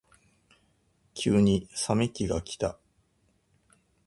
急に冷め期がきた。